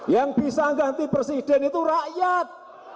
yang bisa ganti presiden itu rakyat